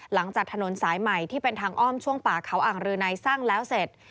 หลังจากถนนสายใหม่ที่เป็นทางอ้อมช่วงป่าเขาอ่างรืนัยสร้างแล้วเสร็จ